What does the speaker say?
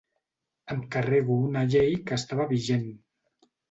Em carrego una llei que estava vigent.